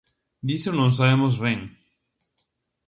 Diso non sabemos ren.